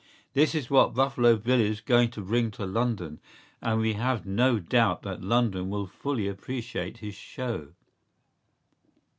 ¬Ý This is what Buffalo Bill is going to bring to London; and we have no doubt that London will fully appreciate his show.